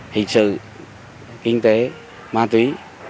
hình sự kinh tế ma túy